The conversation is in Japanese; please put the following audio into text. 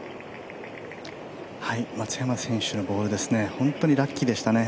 松山選手のボール、本当にラッキーでしたね。